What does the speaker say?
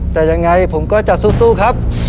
แต่ยังไงผมก็จะสู้ครับ